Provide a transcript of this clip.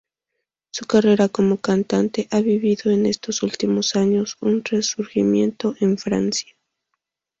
Su carrera como cantante ha vivido en estos últimos años un resurgimiento en Francia.